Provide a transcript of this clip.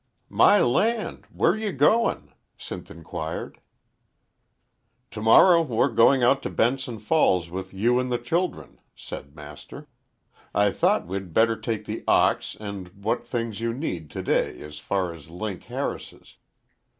"My land! Where ye goin'?" Sinth inquired. "To morrow we're going out to Benson Falls with you and the children," said Master. "I thought we'd better take the ox and what things you need to day as far as Link Harris's.